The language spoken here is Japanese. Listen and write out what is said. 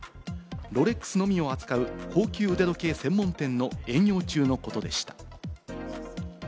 ロレックスのみを扱う高級腕時計専門店の営業中のことでした。